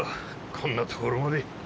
こんなところまで。